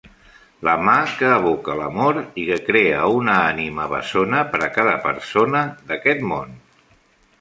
la mà que evoca l'amor i que crea una ànima bessona per a cada persona d'aquest món.